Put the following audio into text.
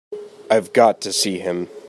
I've got to see him.